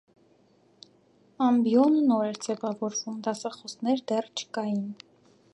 Ամբինը նոր էր ձևավորվում, դասախոսներ դեռ չկային։